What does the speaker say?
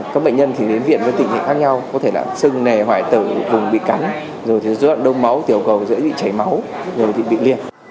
các bệnh nhân đến viện với tình hình khác nhau có thể là sưng nề hoài tử vùng bị cắn rồi đông máu tiểu cầu dễ bị cháy máu rồi bị liệt